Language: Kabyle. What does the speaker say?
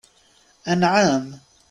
AnƐam?